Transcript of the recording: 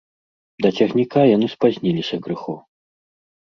Да цягніка яны спазніліся крыху.